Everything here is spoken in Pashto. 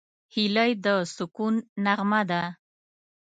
هیلۍ د سکون نغمه ده